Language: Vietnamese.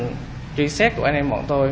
quá trình truy xét của anh em bọn tôi